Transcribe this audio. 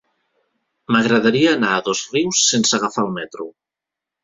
M'agradaria anar a Dosrius sense agafar el metro.